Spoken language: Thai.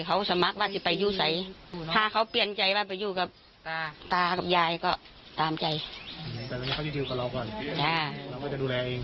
แต่ตอนนี้เขาจะอยู่กับเราก่อนแล้วเขาจะดูแลเอง